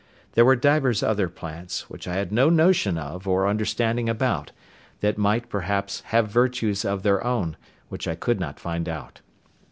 There were divers other plants, which I had no notion of or understanding about, that might, perhaps, have virtues of their own, which I could not find out.